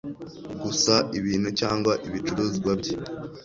gusa ibintu cyangwa ibicuruzwa bye